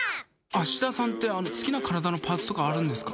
芦田さんって、好きな体のパーツとかあるんですか？